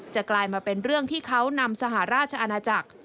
กลายมาเป็นเรื่องที่เขานำสหราชอาณาจักร